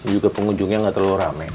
juga pengunjungnya nggak terlalu rame